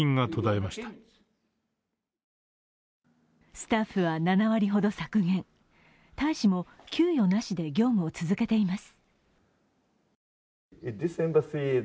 スタッフは７割ほど削減大使も給与なしで業務を続けています。